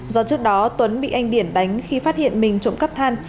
do trước đó tuấn bị anh điển đánh khi phát hiện mình trộm cắp than